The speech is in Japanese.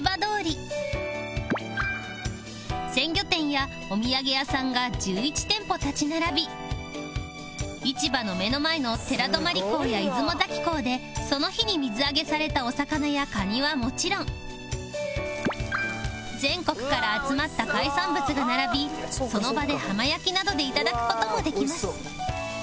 鮮魚店やお土産屋さんが１１店舗立ち並び市場の目の前の寺泊港や出雲崎港でその日に水揚げされたお魚やカニはもちろん全国から集まった海産物が並びその場で浜焼きなどで頂く事もできます